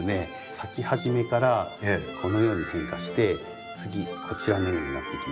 咲き始めからこのように変化して次こちらのようになっていきます。